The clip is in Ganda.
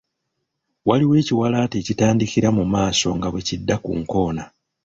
Waliwo ekiwalaata ekitandikira mu maaso nga bwe kidda ku nkoona.